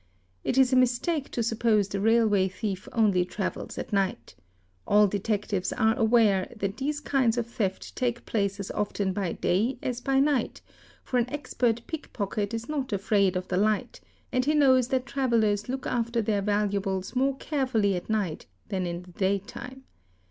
It is a mistake to suppose the railway thief only travels at night ; all detectives are aware that these kinds of theft take place as often by day as by 'night, for an expert pickpocket is not afraid of the light and he knows that travellers look after their valuables more carefully at night than in the day time.